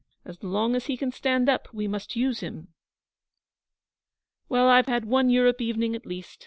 As long as he can stand up we must use him.' 'Well, I've had one Europe evening, at least